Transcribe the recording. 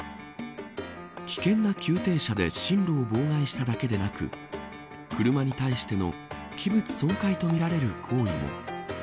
危険な急停車で進路を妨害しただけでなく車に対しての器物損壊とみられる行為も。